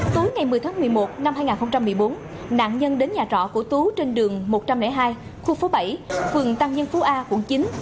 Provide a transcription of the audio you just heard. tối ngày một mươi tháng một mươi một năm hai nghìn một mươi bốn nạn nhân đến nhà trọ của tú trên đường một trăm linh hai khu phố bảy phường tăng nhân phú a quận chín